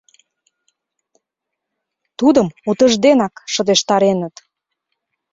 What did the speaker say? Тудым утыжденак шыдештареныт.